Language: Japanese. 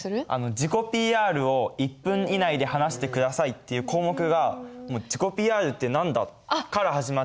「自己ＰＲを一分以内で話してください。」っていう項目が「自己ＰＲって何だ？」から始まっちゃって。